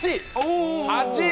８位！